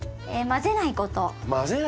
混ぜないこと。